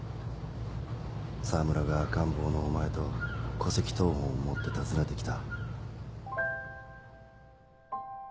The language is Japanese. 澤村が赤ん坊のお前と戸籍謄本を持って訪ねてきた。